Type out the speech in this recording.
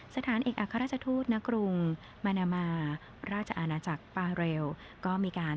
สถานเอกอักษรรจทูตณกรุงเวียนาสาธารณรัฐออสเตรีย